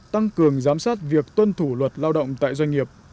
tăng cường giám sát việc tuân thủ luật lao động tại doanh nghiệp